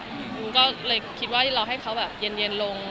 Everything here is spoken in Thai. หนูก็เลยคิดว่าเราให้เขาแบบเย็นลง